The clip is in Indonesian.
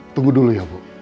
tunggu dulu ya bu